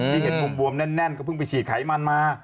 ที่เห็นบวมแน่นก็เพิ่งไปฉีดไขมันมา